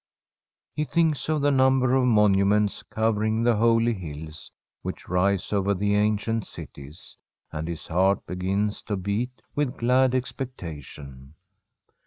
He thinks of the number of monuments covering the holy hills which rise over other ancient cities, and his heart begins to beat with glad expectation.